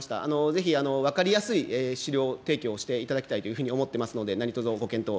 ぜひ分かりやすい資料提供をしていただきたいというふうに思ってますので、何とぞご検討